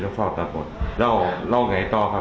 แล้วเฝ้าตาป่นเล่าไงต่อครับ